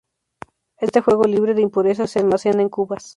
Este jugo libre de impurezas se almacena en cubas.